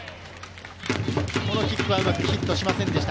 キックはうまくヒットしませんでした。